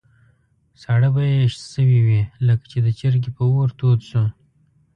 ساړه به یې شوي وو، لکه چې د چرګۍ په اور تود شو.